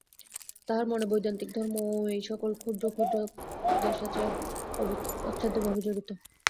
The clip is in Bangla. তাহার মনে বৈদান্তিক ধর্ম ও এই-সকল ক্ষুদ্র ক্ষুদ্র দেশাচার অচ্ছেদ্যভাবে জড়িত।